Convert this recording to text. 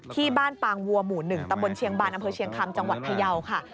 ปางวัวหมู่๑ตำบลเชียงบานอำเภอเชียงคำจังหวัดพยาวค่ะ